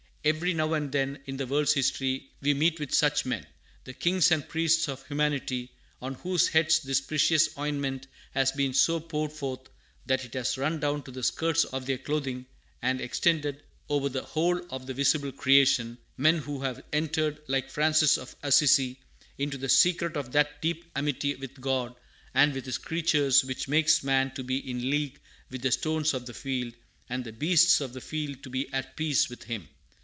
Every now and then, in the world's history, we meet with such men, the kings and priests of Humanity, on whose heads this precious ointment has been so poured forth that it has run down to the skirts of their clothing, and extended over the whole of the visible creation; men who have entered, like Francis of Assisi, into the secret of that deep amity with God and with His creatures which makes man to be in league with the stones of the field, and the beasts of the field to be at peace with him.